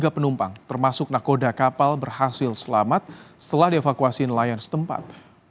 tiga penumpang termasuk nakoda kapal berhasil selamat setelah dievakuasi nelayan setempat